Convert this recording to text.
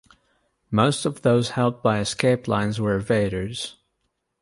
Most of those helped by escape lines were evaders.